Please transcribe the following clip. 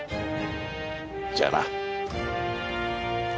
じゃあな。